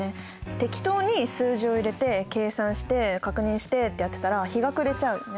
適当に数字を入れて計算して確認してってやってたら日が暮れちゃうよね。